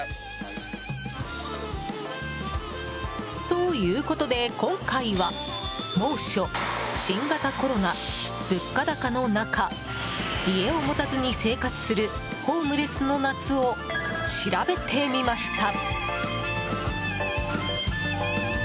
ということで、今回は猛暑、新型コロナ、物価高の中家を持たずに生活するホームレスの夏を調べてみました。